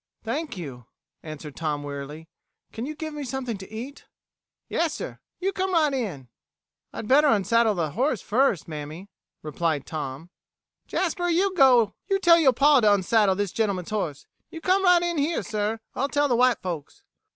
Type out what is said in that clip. "Thank you," answered Tom wearily. "Can you give me something to eat?" "Yassir. You come right in." "I'd better unsaddle the horse first, mammy," replied Tom. "Jasper, you tell yo' pa to unsaddle this gentleman's horse. You come right in here, sir. I'll tell the white folks."